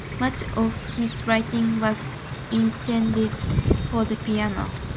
Much of his writing was intended for the piano.